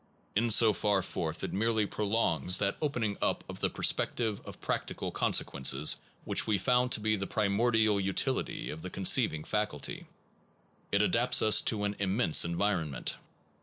In so far forth it merely prolongs that opening up of PERCEPT AND CONCEPT the perspective of practical consequences which we found to be the primordial utility of the conceiving faculty: it adapts us to an im mense environment.